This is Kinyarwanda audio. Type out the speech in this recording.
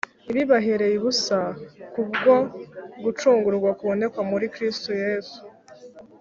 ibibahereye ubusa, kubwo gucungurwa kubonerwa muri Yesu Kristo